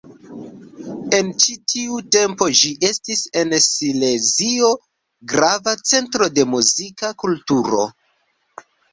En ĉi tiu tempo ĝi estis en Silezio grava centro de muzika kulturo.